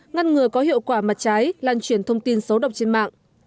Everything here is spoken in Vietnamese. ngăn ngừa có hiệu quả mặt trái lan truyền thông tin xấu độc trên mạng